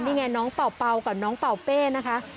นี่ไงน้องเป่ากับน้องเป่าเป้นะคะ